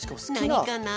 なにかな？